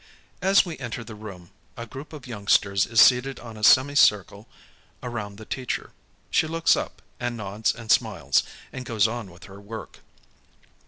As we enter the room, a group of youngsters is seated in a semi circle around the teacher. She looks up, and nods and smiles, and goes on with her work.